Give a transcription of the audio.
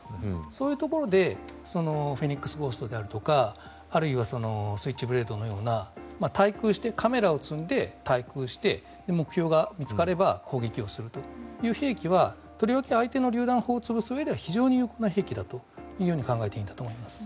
そういうところでフェニックス・ゴーストであるとかスイッチブレードのようなカメラを積んで滞空して目標が見つかれば攻撃をするという兵器はとりわけ相手のりゅう弾砲を潰すうえでは非常に有効な兵器だと考えていいと思います。